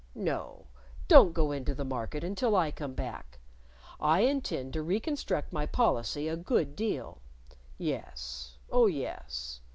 No; don't go into the market until I come back. I intend to reconstruct my policy a good deal. Yes.... Oh, yes....